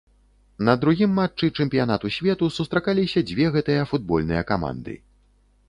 На другім матчы чэмпіянату свету сустракаліся дзве гэтыя футбольныя каманды.